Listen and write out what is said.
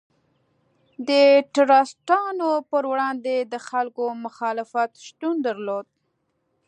د ټرستانو پر وړاندې د خلکو مخالفت شتون درلود.